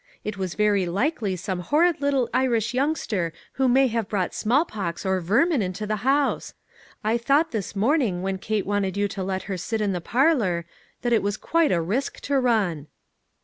It was very likely some horrid little Irish youngster who may have brought smallpox or vermin into the house. I thought this morning, when Kate wanted you to let her sit in the parlor, that it was quite a risk to run."